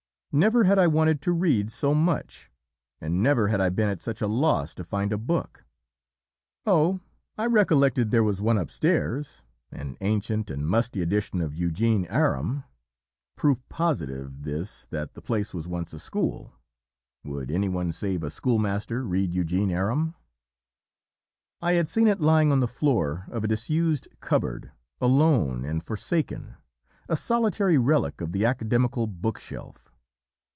never had I wanted to read so much and never had I been at such a loss to find a book. "Oh! I recollected there was one upstairs an ancient and musty edition of 'Eugene Aram' (proof positive, this, that the place was once a school; would any one save a schoolmaster read 'Eugene Aram')? I had seen it lying on the floor of a disused cupboard alone and forsaken: a solitary relic of the Academical bookshelf.